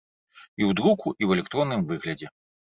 І ў друку, і ў электронным выглядзе.